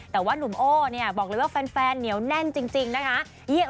แต่ว่านุ่มโอ้เนี่ยบอกเลยว่าแฟนเหนียวแน่นจริงนะคะ